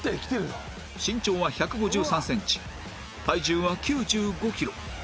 身長は１５３センチ体重は９５キロ